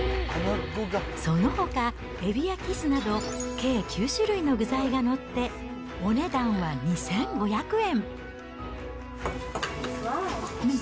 そのほか、エビやキスなど、計９種類の具材が載って、お値段は２５００円。